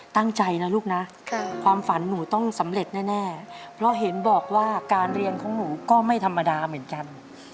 ตั้งใจนะลูกนะความฝันหนูต้องสำเร็จแน่เพราะเห็นบอกว่าการเรียนของหนูก็ไม่ธรรมดาเหมือนกัน